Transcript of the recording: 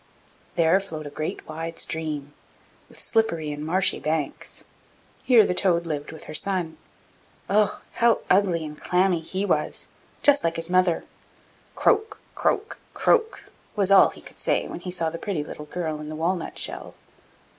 There flowed a great wide stream, with slippery and marshy banks; here the toad lived with her son. Ugh! how ugly and clammy he was, just like his mother! 'Croak, croak, croak!' was all he could say when he saw the pretty little girl in the walnut shell.